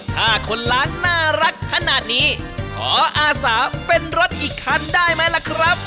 ถ้าคนล้างน่ารักขนาดนี้ขออาสาเป็นรถอีกคันได้ไหมล่ะครับ